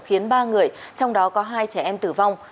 khiến ba người trong đó có hai trẻ em tử vong